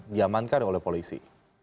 diamankan oleh polisi